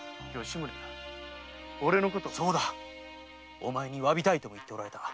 お前に詫びたいと言っておられた。